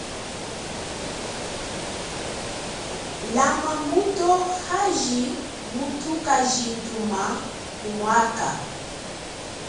Lama mbuto aji muthukajithumba ku mwaka.